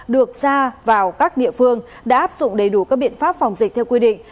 được ra vào các địa phương đã áp dụng đầy đủ các biện pháp phòng dịch theo quy định